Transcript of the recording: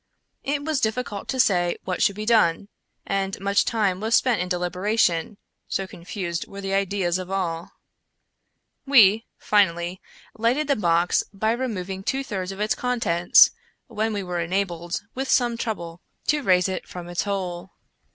It was difficult to say what should be done, and much time was spent in deliberation — so confused were the ideas of all. We, finally, lightened the box by removing two thirds of its contents, when we were enabled, with some trouble, to raise it from the hole.